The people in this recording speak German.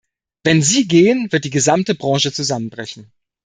Wenn sie gehen, wird die gesamte Branche zusammenbrechen.